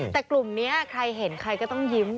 แต่กลุ่มนี้ใครเห็นใครก็ต้องยิ้ม